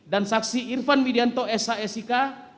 dan saksi irvan widianto sik